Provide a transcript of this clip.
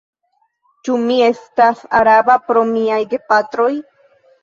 Ĉu mi estas araba pro miaj gepatroj?